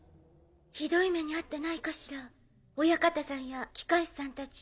ひどい目にあってないかしら親方さんや機関士さんたち。